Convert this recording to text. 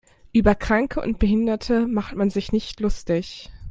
Über Kranke und Behinderte macht man sich nicht lustig.